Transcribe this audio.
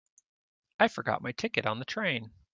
I forgot my ticket on the train.